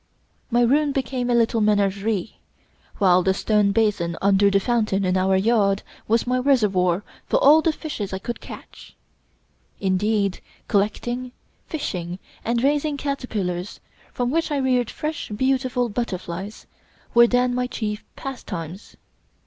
My room became a little menagerie, while the stone basin under the fountain in our yard was my reservoir for all the fishes I could catch. Indeed, collecting, fishing, and raising caterpillars, from which I reared fresh, beautiful butterflies, were then my chief pastimes.